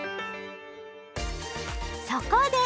そこで！